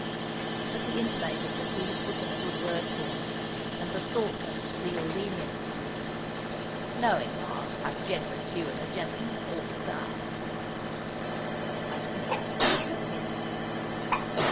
But he intimated that he had put in a good word for me, and besought them to deal leniently with me, "Knowing, ma'am, how generous you and the gentleman always are." I didn't respond to the hint.